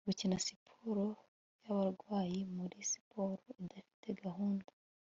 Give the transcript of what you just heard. Gukina siporo yabarwayi muri siporo idafite gahunda